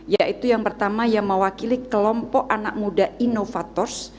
yaitu yang pertama yang mewakili kelompok anak muda inovators